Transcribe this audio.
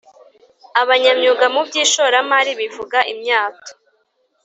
abanyamyuga mu by ishoramari bivuga imyato